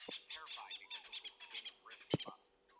Sir Bradley Wiggins won.